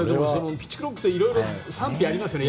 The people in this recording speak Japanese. ピッチクロックっていろいろ賛否がありますよね。